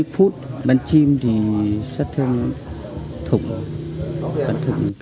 bốn mươi phút bắn chim thì sắp thêm thủng